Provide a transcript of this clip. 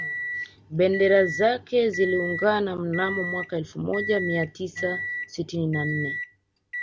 Bendera zake ziliungana mnamo mwaka elfu moja mia tisa sitini na nne